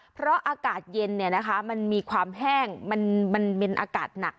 เพราะอากาศเย็นเนี้ยนะคะมันมีความแห้งมันมันเป็นอากาศหนัก